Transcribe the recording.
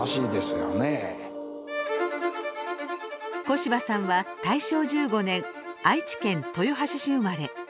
小柴さんは大正１５年愛知県豊橋市生まれ。